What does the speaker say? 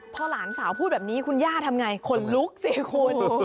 พอหลานสาวพูดแบบนี้คุณย่าทำไงขนลุกสิคุณ